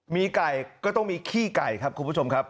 มีไก่ก็ต้องมีขี้ไก่ครับคุณผู้ชมครับ